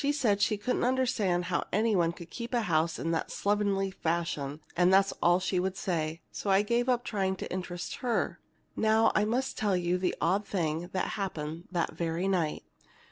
Said she couldn't understand how any one could keep house in that slovenly fashion, and that's all she would say. So I gave up trying to interest her. "Now, I must tell you the odd thing that happened that very night.